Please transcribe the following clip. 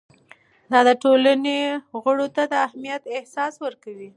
دا د ټولنې غړو ته د اهمیت احساس ورکوي.